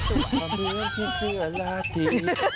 กับผีเสื้อลาตรี